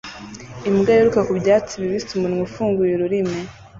Imbwa yiruka ku byatsi bibisi umunwa ufunguye ururimi